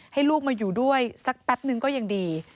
ให้ลูกมาอยู่ด้วยสักแป๊บนึงก็ยังดี